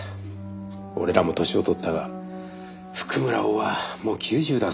俺らも歳を取ったが譜久村翁はもう９０だぞ。